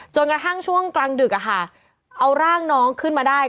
จนกระทั่งช่วงกลางดึกเอาร่างน้องขึ้นมาได้